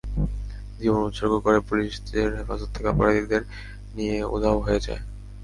জীবন উৎসর্গ করে, পুলিশের হেফাজত থেকে অপরাধীদের নিয়ে উধাও হয়ে যায়।